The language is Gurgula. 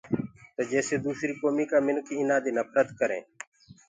تو جيسي دوسريٚ ڪوميٚ ڪآ مِنک ايٚنآ دي نڦرت ڪَرينٚ۔